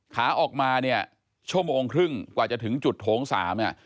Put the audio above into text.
ขาออกมาเนี่ยชั่วโมงครึ่งกว่าจะถึงจุดโถง๓เนี่ย